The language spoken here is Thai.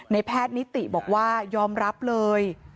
แพทย์นิติบอกว่ายอมรับเลย